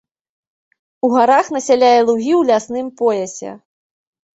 У гарах насяляе лугі ў лясным поясе.